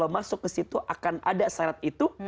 masuk ke situ akan ada syarat itu